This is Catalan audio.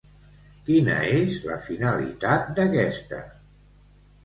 Quina és la finalitat d'aquesta?